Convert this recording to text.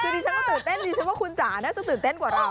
คือดิฉันก็ตื่นเต้นดิฉันว่าคุณจ๋าน่าจะตื่นเต้นกว่าเรา